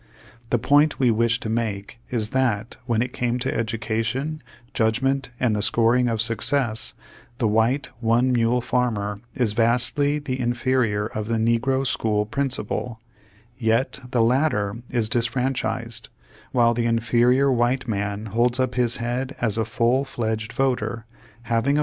The point we wish to make is that, when it came to educa tion, judgment and the scoring of success, the white one mule farmer is vastly the inferior of the negro school principal; yet the latter is dis franchised, while the inferior white man holds up his head as a full fledged voter, having a voice ' A farmer who owns or works a small farm.